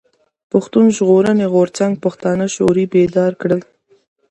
پښتون ژغورني غورځنګ پښتانه شعوري بيدار کړل.